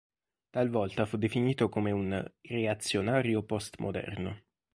Talvolta fu definito come un "reazionario postmoderno".